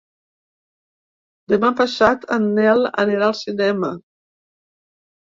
Demà passat en Nel anirà al cinema.